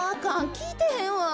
きいてへんわ。